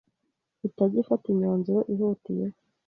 itajya ifata imyanzuro ihutiyeho